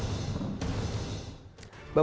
terima kasih pak